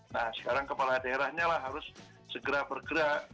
nah sekarang kepala daerahnya lah harus segera bergerak